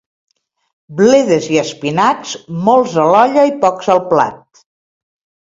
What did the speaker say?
Bledes i espinacs, molts a l'olla i pocs al plat.